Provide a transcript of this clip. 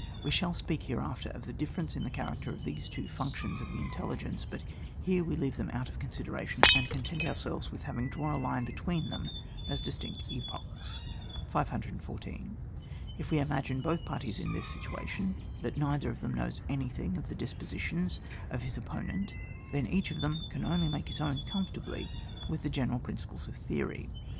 We shall speak here after of the difference in the character of these two functions of the intelligence, but here we leave them out of consi deration, and content ourselves with having drawn a line between them as distinct epochs. 614. If we imagine both parties in this situation, that neither of them knows anything of the dispositions of his oppo nent, then each of them can only make his own conformably vdth the general principles of theory.